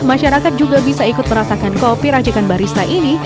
masyarakat juga bisa ikut merasakan kopi racikan barista ini